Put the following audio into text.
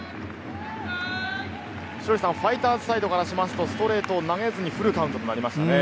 稀哲さん、ファイターズサイドからすると、ストレートを投げずにフルカウントとなりましたね。